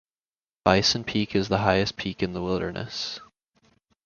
Bison Peak is the highest peak in the wilderness.